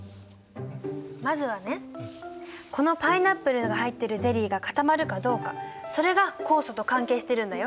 まずはねこのパイナップルが入っているゼリーが固まるかどうかそれが酵素と関係してるんだよ。